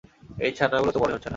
এই ছানাগুলা তো বড়ই হচ্ছে না।